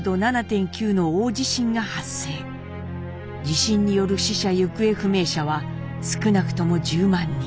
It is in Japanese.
地震による死者・行方不明者は少なくとも１０万人。